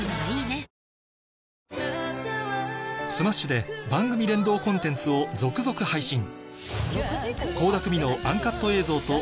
ｓｍａｓｈ．で番組連動コンテンツを続々配信